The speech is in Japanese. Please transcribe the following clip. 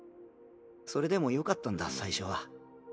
それでもよかったんだ最初は。